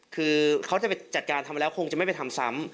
คือเขาจะไปจัดการทำแล้วคงจะไม่ไปทำซ้ำ